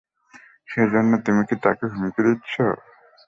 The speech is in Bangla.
সে জন্য কি তুমি তাকে হুমকি দিছো?